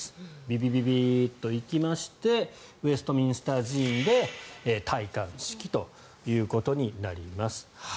ビビビーッと行きましてウェストミンスター寺院で戴冠式ということになります。